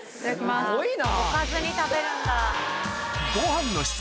すごいな！